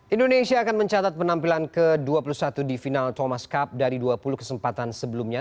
indonesia akan mencatat penampilan ke dua puluh satu di final thomas cup dari dua puluh kesempatan sebelumnya